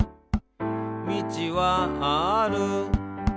「みちはある」